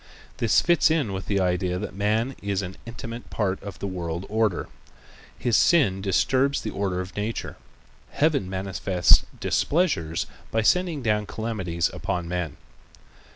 This fits in with the idea that man is an intimate part of the world order. His sin disturbs the order of nature. Heaven manifests displeasures by sending down calamities upon men.